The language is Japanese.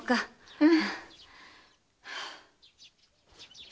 うん。